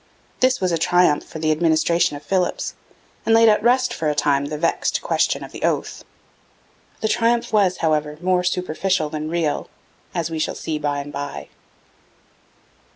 This was a triumph for the administration of Philipps, and laid at rest for a time the vexed question of the oath. The triumph was, however, more superficial than real, as we shall see by and by.